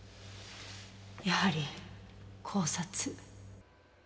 やはり絞殺。